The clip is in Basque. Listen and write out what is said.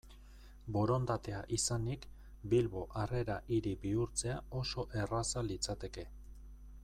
Borondatea izanik, Bilbo Harrera Hiri bihurtzea oso erraza litzateke.